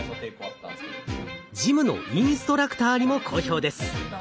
ジムのインストラクターにも好評です。